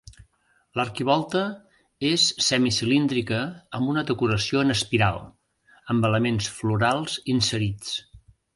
L'arquivolta és semicilíndrica amb una decoració en espiral, amb elements florals inserits.